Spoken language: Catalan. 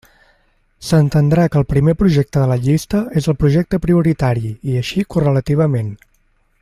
S'entendrà que el primer projecte de la llista és el projecte prioritari i així correlativament.